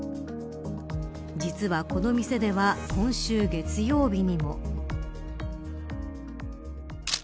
実はこの店では今週月曜日にも。